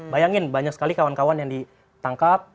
bayangin banyak sekali kawan kawan yang ditangkap